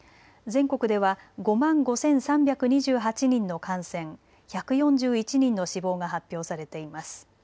全国では５万５３２８人の感染、１４１人の死亡が発表されています。